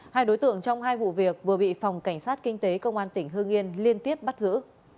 hai đối tượng trong hai vụ việc vừa bị phòng cảnh sát kinh tế công an tỉnh hương yên liên tiếp bắt giữ